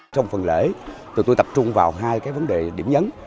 trong phần lễ tụi tôi tập trung vào hai cái vấn đề điểm nhấn